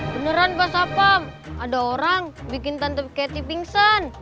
beneran mbak sapam ada orang bikin tante ketty pingsan